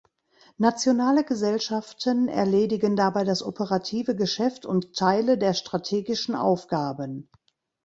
Nationale Gesellschaften erledigen dabei das operative Geschäft und Teile der strategischen Aufgaben.